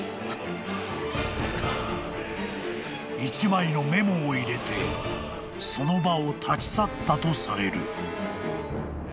［１枚のメモを入れてその場を立ち去ったとされる］